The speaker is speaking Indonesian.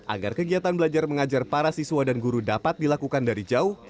agar kegiatan belajar mengajar para siswa dan guru dapat dilakukan dari jauh